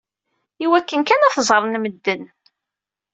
Iwakken kan ad t-ẓren medden.